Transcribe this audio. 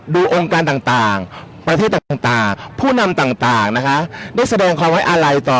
ดูองค์การต่างประเทศต่างผู้นำต่างได้แสดงความข้าวไรต่อ